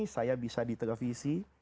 saya bisa di televisi